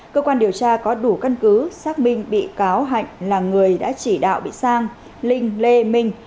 cơ quan điều tra có đủ căn cứ xác minh bị cáo hạnh là người đã chỉ đạo bị sang linh lê minh